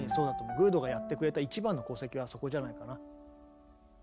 グールドがやってくれた一番の功績はそこじゃないかな。